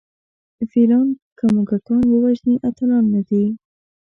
فیلان که موږکان ووژني اتلان نه دي.